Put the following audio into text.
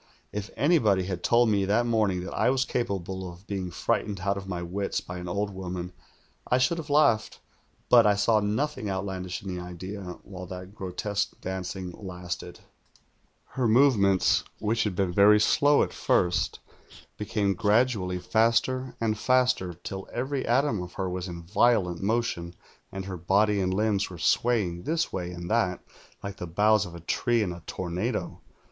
If anybody had told me tliat morning THE GHOUL 131 that I was capable of being frightened out of my wits by an old woman, I should have laughed; but I saw nothing outlandish in the idea while that gro tesque dancing lasted. "Her movements, v^hich had been very slow at first, became gradually faster and faster, till every atom of her was in violent motion, and her body and limbs were swaying this way and that, like the boughs of a tree in a tornado.